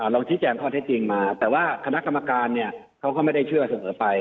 ลองชี้แจงข้อเท็จจริงมาแต่ว่าคณะกรรมการเนี่ยเขาก็ไม่ได้เชื่อเสมอไป